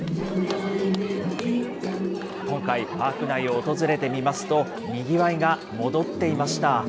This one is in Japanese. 今回、パーク内を訪れてみますとにぎわいが戻っていました。